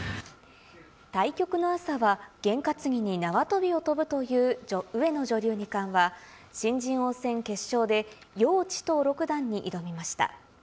対局の朝は験担ぎに縄跳びを跳ぶという上野女流二冠は、新人王戦決勝で、姚智騰六段に挑みました。